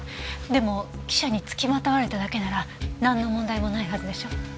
でも記者に付きまとわれただけならなんの問題もないはずでしょ。